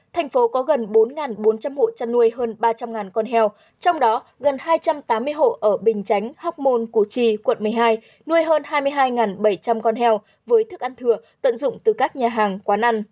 thành phố có gần bốn bốn trăm linh hộ trăn nuôi hơn ba trăm linh con heo trong đó gần hai trăm tám mươi hộ ở bình chánh hóc môn củ chi quận một mươi hai nuôi hơn hai mươi hai bảy trăm linh con heo với thức ăn thừa tận dụng từ các nhà hàng quán ăn